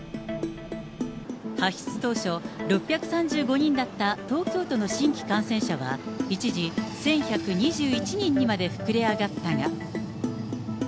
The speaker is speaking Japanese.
発出当初、６３５人だった東京都の新規感染者は一時１１２１人まで膨れ上がったが。